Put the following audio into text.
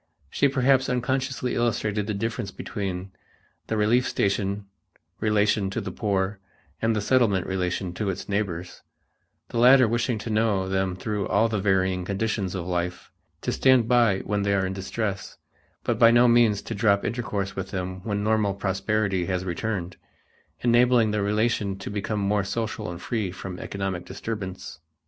She perhaps unconsciously illustrated the difference between the relief station relation to the poor and the Settlement relation to its neighbors, the latter wishing to know them through all the varying conditions of life, to stand by when they are in distress, but by no means to drop intercourse with them when normal prosperity has returned, enabling the relation to become more social and free from economic disturbance.